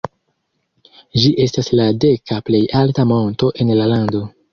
Ĝi estas la deka plej alta monto en la lando.